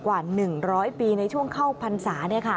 กว่า๑๐๐ปีในช่วงเข้าพรรษา